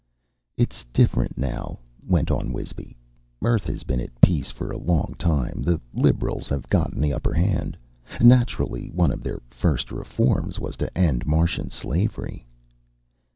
"It's different now," went on Wisby. "Earth has been at peace for a long time. The liberals have gotten the upper hand. Naturally, one of their first reforms was to end Martian slavery."